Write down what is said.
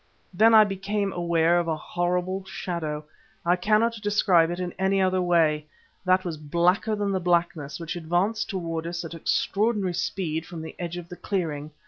Then I became aware of a horrible shadow I cannot describe it in any other way that was blacker than the blackness, which advanced towards us at extraordinary speed from the edge of the clearing.